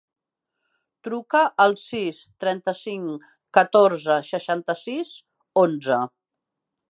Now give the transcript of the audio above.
Truca al sis, trenta-cinc, catorze, seixanta-sis, onze.